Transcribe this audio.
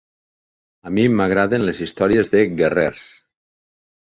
A mi m'agraden les històries de guerrers.